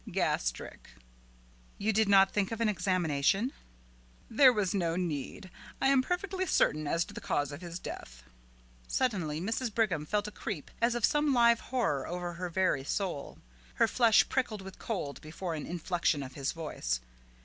"Gastric." "You did not think of an examination?" "There was no need. I am perfectly certain as to the cause of his death." Suddenly Mrs. Brigham felt a creep as of some live horror over her very soul. Her flesh prickled with cold, before an inflection of his voice.